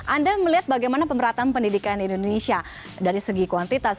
anda melihat bagaimana pemerataan pendidikan indonesia dari segi kuantitas